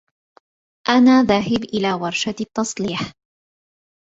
أنا ذاهب إلى ورشة التّصليح.